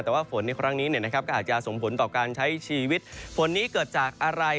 แต่ว่าฝนในครั้งนี้ก็อาจจะส่งผลต่อการใช้ชีวิตฝนนี้เกิดจากอะไร